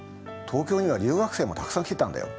東京には留学生もたくさん来てたんだよ。